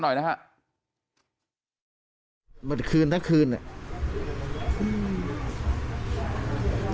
หน่อยนะฮะเบื่อที่คืนนะคืนจริง